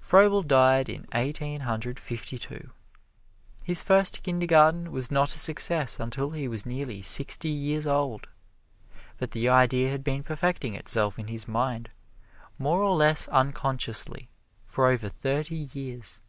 Froebel died in Eighteen Hundred Fifty two. His first Kindergarten was not a success until he was nearly sixty years old, but the idea had been perfecting itself in his mind more or less unconsciously for over thirty years.